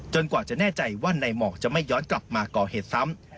กว่าจะแน่ใจว่านายหมอกจะไม่ย้อนกลับมาก่อเหตุซ้ำ